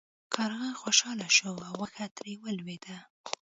کارغه خوشحاله شو او غوښه ترې ولویده.